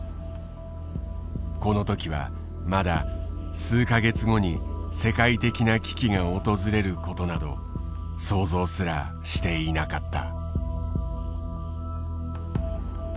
この時はまだ数か月後に世界的な危機が訪れることなど想像すらしていなかった。